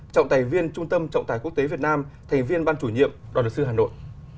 trọng tài viên trung tâm trọng tài quốc tế việt nam thành viên ban chủ nhiệm đoàn luật sư hà nội